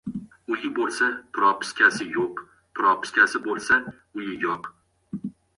Uyi bo‘lsa — propiskasi yo‘q, propiskasi bo‘lsa — uyi yo‘q...